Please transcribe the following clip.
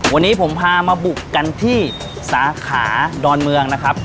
วันนี้ผมพามาบุกกันที่สาขาดอนเมืองนะครับ